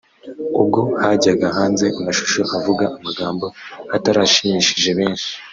ubwo hajyaga hanze amashusho avuga amagambo atarashimishije benshi